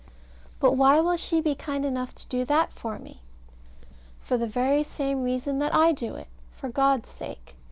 But why will she be kind enough to do that for me? For the very same reason that I do it. For God's sake.